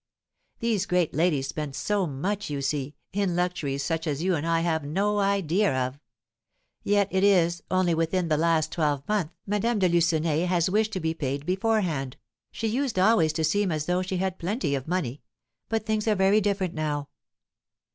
These great ladies spend so much, you see, in luxuries such as you and I have no idea of. Yet it is only within the last twelvemonth Madame de Lucenay has wished to be paid beforehand, she used always to seem as though she had plenty of money; but things are very different now."